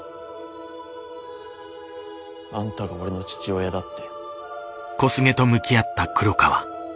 あんたが俺の父親だって。